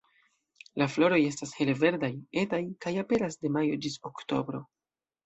La floroj estas hele verdaj, etaj, kaj aperas de majo ĝis oktobro.